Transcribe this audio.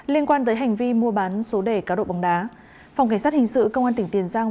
liên quan tới hành vi mua bán số đề cáo độ bóng đá phòng cảnh sát hình sự công an tỉnh tiền giang